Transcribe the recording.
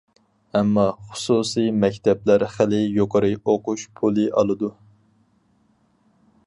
ئەمما، خۇسۇسىي مەكتەپلەر خېلى يۇقىرى ئوقۇش پۇلى ئالىدۇ.